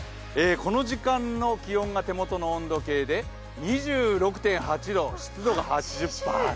この時間の気温が手元の温度計で２６．８度湿度が８０％。